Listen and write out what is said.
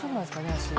足。